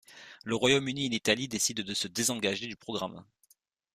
Le Royaume-Uni et l'Italie décident de se désengager du programme.